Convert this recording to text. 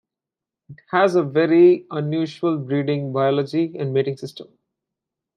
It has a very unusual breeding biology and mating system.